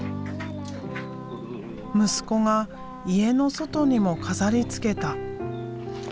息子が家の外にも飾りつけた。